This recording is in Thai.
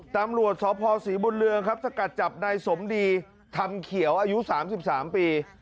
ตำรวจสพศรีบุญเรืองครับสกัดจับนายสมดีทำเขียวอายุ๓๓ปี